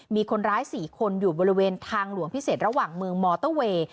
มีคนร้าย๔คนอยู่บริเวณทางหลวงพิเศษระหว่างเมืองมอเตอร์เวย์